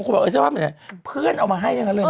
ซื้อไปแล้วถ้าสมมุติเวลาเราใส่ลงไปกัน